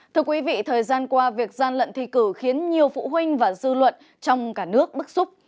thưa quý vị thời gian qua việc gian lận thi cử khiến nhiều phụ huynh và dư luận trong cả nước bức xúc